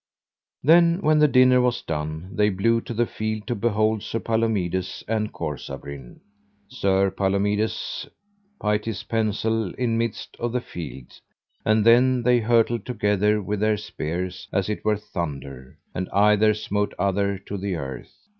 Then when the dinner was done they blew to the field to behold Sir Palomides and Corsabrin. Sir Palomides pight his pensel in midst of the field; and then they hurtled together with their spears as it were thunder, and either smote other to the earth.